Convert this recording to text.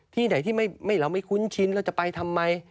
ที่ไหนที่เราไม่คุ้นชินเราจะไปทำไม